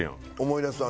思い出す？